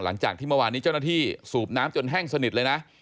หลังจากที่เมื่อวานนี้เจ้าหน้าที่สูบน้ำจนแห้งสนิทเลยนะ